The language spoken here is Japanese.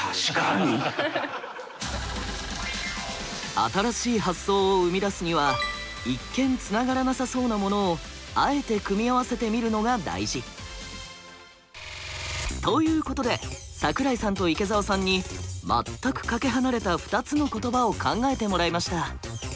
新しい発想を生み出すには一見つながらなさそうなものをあえて組み合わせてみるのが大事。ということで桜井さんと池澤さんに全くかけ離れた２つの言葉を考えてもらいました。